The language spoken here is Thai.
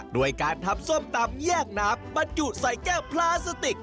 ด้วยการทำส้มตำแยกน้ำบรรจุใส่แก้วพลาสติก